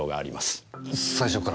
最初から。